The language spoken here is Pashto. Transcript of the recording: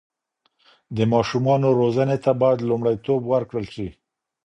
د ماشومانو روزنې ته باید لومړیتوب ورکړل سي.